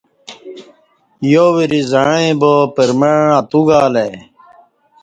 یو وریں زعں ییبا پر مع اتوگالہ ای